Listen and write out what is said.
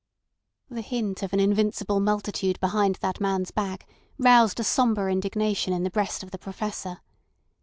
The hint of an invincible multitude behind that man's back roused a sombre indignation in the breast of the Professor.